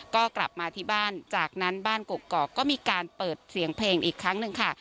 ก็กลับมาที่บ้านจากนั้นบ้านกกอกก็มีการเปิดเสียงเพลงอีกครั้งหนึ่งค่ะ